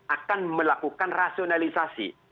akan melakukan rasionalisasi